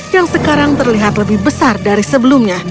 yang sekarang terlihat lebih besar dari sebelumnya